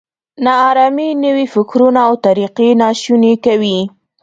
نا ارامي نوي فکرونه او طریقې ناشوني کوي.